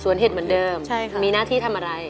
สวนเห็ดเหมือนเดิมใช่ค่ะมีหน้าที่ทำอะไร